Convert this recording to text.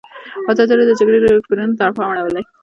ازادي راډیو د د جګړې راپورونه ته پام اړولی.